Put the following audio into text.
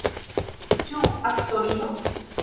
Ĉu aktorino?